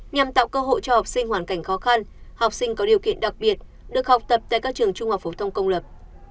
nhằm tạo cơ hội cho học sinh hoàn cảnh khó khăn học sinh có điều kiện đặc biệt được học tập tại các trường trung học phổ thông công lập